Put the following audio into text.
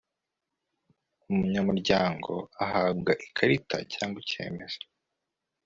umunyamuryango ahabwa ikarita cyangwa icyemezo